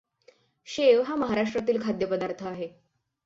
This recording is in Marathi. शेव हा महाराष्ट्रातील खाद्यपदार्थ आहे.